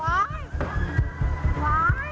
ไหว